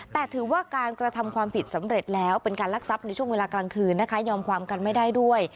แต่ถือว่าการกระทำความผิดสำเร็จแล้วเป็นการลักทรัพย์ในช่วงเวลากลางคืนนะคะยอมความกันไม่ได้ด้วย